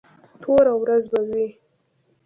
توره ورځ به وي.